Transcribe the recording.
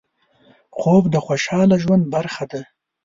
خوب د خوشحال ژوند برخه ده